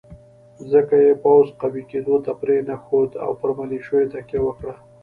ځکه یې پوځ قوي کېدو ته پرېنښود او پر ملېشو یې تکیه وکړه.